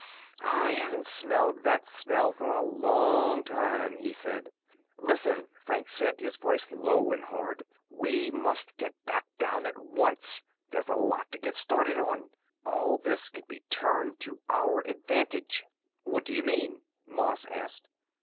"I haven't smelled that smell for a long time," he said. "Listen," Franks said, his voice low and hard. "We must get back down at once. There's a lot to get started on. All this can be turned to our advantage." "What do you mean?" Moss asked.